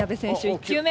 １球目。